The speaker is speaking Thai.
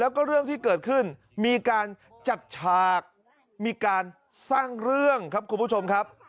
แล้วก็เรื่องที่เกิดขึ้นมีการจัดฉากมีการสร้างเรื่องครับคุณผู้ชมครับ